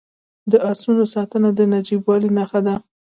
د اسونو ساتنه د نجیبوالي نښه ده.